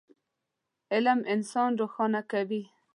علم انسان روښانه کوي.